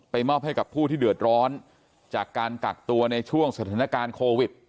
มอบให้กับผู้ที่เดือดร้อนจากการกักตัวในช่วงสถานการณ์โควิด